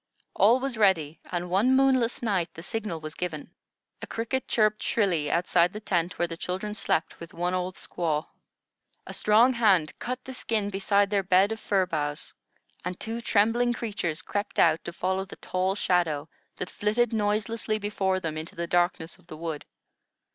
All was ready, and one moonless night the signal was given. A cricket chirped shrilly outside the tent where the children slept with one old squaw. A strong hand cut the skin beside their bed of fir boughs, and two trembling creatures crept out to follow the tall shadow that flitted noiselessly before them into the darkness of the wood.